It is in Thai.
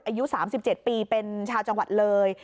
อายุ๓๗ปีเป็นชาวจังหวัดเลย